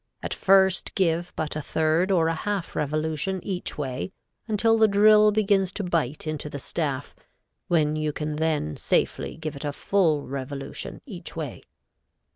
At first give but a third or a half revolution each way, until the drill begins to bite into the staff, when you can then safely give it a full revolution each way.